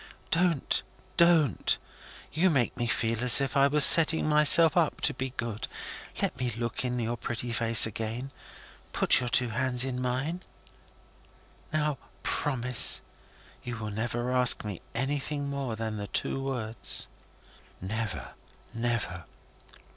"Don't! Don't! You make me feel as if I was setting myself up to be good. Let me look in your pretty face again. Put your two hands in mine. Now, promise. You will never ask me anything more than the two words?" "Never! Never!"